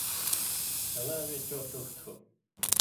ݜلاں وے چو تُوہہۡ تُھو